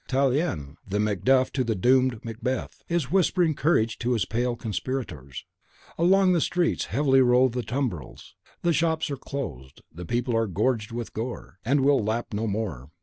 Tallien, the Macduff to the doomed Macbeth, is whispering courage to his pale conspirators. Along the streets heavily roll the tumbrils. The shops are closed, the people are gorged with gore, and will lap no more.